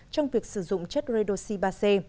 trong việc sử dụng chất redoxy ba c